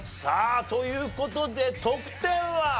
さあという事で得点は？